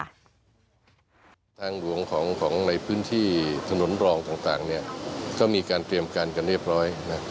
ว่าภาคฬิกตรรวงของในพื้นที่ถนนรองต่างเนี่ยก็มีการเตรียมการกันเรียบร้อย